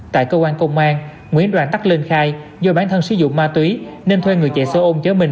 tại cơ quan công an nguyễn đoàn tắc linh khai do bản thân sử dụng ma túy nên thuê người chạy sơ ôn chở mình